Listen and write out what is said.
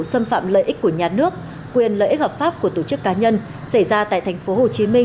xâm phạm lợi ích của nhà nước quyền lợi ích hợp pháp của tổ chức cá nhân xảy ra tại tp hcm